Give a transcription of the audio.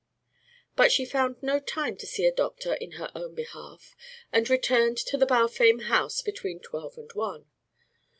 But she found no time to see a doctor in her own behalf and returned to the Balfame house between twelve and one.